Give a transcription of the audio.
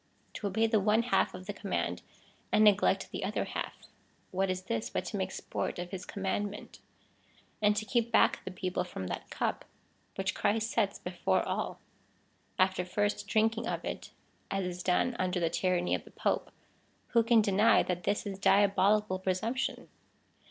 To obey the one half of the command and neglect the other half — what is this but to make sport of his command ment ? And to keep back the people from that cup, which Christ sets before all, after first drinking of it, as is done under the tyranny of the Pope — who can deny that this is diabolical j)resumption